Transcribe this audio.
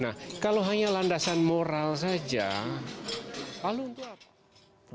nah kalau hanya landasan moral saja lalu untuk apa